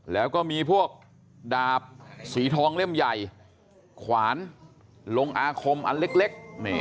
แล้วก็มีพวกดาบสีทองเล่มใหญ่ขวานลงอาคมอันเล็ก